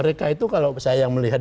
mereka itu kalau saya melihat